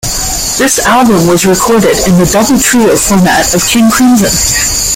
This album was recorded in the "double trio" format of King Crimson.